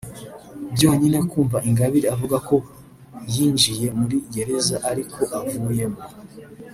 Byonyine kumva Ingabire avuga ko uko yinjiye muri Gereza ariko avuyemo